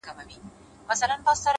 زه هم دعاوي هر ماښام كومه؛